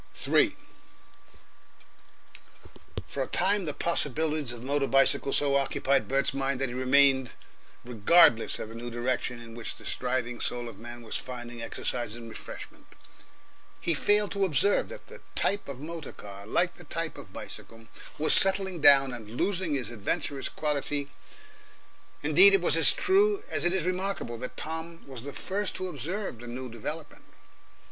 3 For a time the possibilities of the motor bicycle so occupied Bert's mind that he remained regardless of the new direction in which the striving soul of man was finding exercise and refreshment. He failed to observe that the type of motor car, like the type of bicycle, was settling down and losing its adventurous quality. Indeed, it is as true as it is remarkable that Tom was the first to observe the new development.